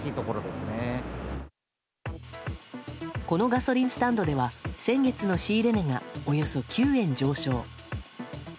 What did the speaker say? このガソリンスタンドでは先月の仕入れ値がおよそ９円上昇。